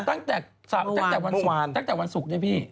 ตั้งแต่วันที่๒๓น่ะนะเมื่อวานตั้งแต่วันสุขนี่พี่